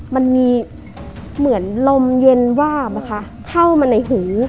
มันมีเหมือนลมเย็นวาบเข้ามาในหู